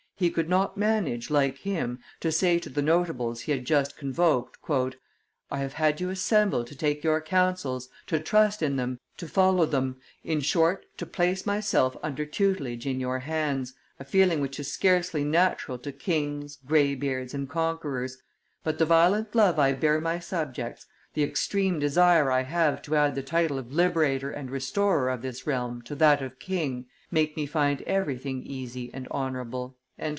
he could not manage, like him, to say to the notables he had just convoked, "I have had you assemble to take your counsels, to trust in them, to follow them, in short, to place myself under tutelage in your hands, a feeling which is scarcely natural to kings, graybeards, and conquerors; but the violent love I bear my subjects, the extreme desire I have to add the title of liberator and restorer of this realm to that of king, make me find everything easy and honorable."